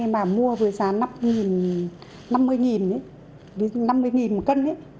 khi mà mua với giá năm mươi năm mươi một cân